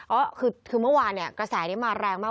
เออคือเมื่อวานกระแสนี่มาแรงมาก